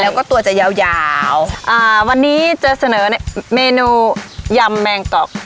แล้วก็ตัวจะยาวยาวอ่าวันนี้จะเสนอเมนูยำแมงกอก